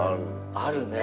あるね。